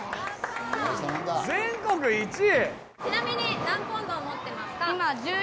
全国１位？！